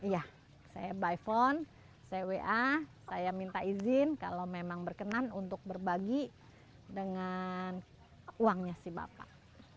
iya saya by phone saya wa saya minta izin kalau memang berkenan untuk berbagi dengan uangnya si bapak